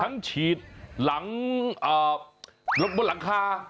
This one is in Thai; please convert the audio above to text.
ทั้งฉีดหลังรถบนหลังคา